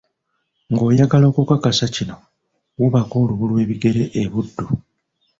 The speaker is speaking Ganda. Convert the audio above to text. Ng'oyagala okukakasa kino, wuubako olubu lwebigere e Buddu.